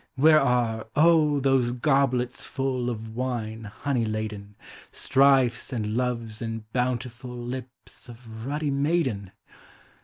Where are, oh! those goblets full Of wine honey laden. Strifes and loves and bountiful Lips of ruddy maiden?